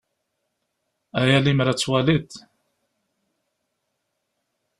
Ay a limer ad twaliḍ!